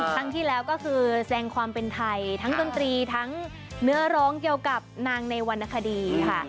ครั้งที่แล้วก็คือแสงความเป็นไทยทั้งดนตรีทั้งเนื้อร้องเกี่ยวกับนางในวรรณคดีค่ะ